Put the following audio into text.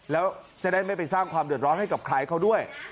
แล้วจะได้ไม่ไปสร้างความเดือดร้อนให้กับใครเขาด้วย